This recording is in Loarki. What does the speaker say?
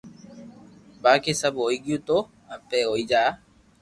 باڪي سب ھوئي گيو تو بي ھوئي جا